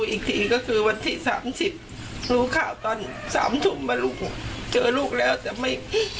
อีกทีก็คือวันที่๓๐รู้ข่าวตอน๓ทุ่มมาลูกเจอลูกแล้วแต่ไม่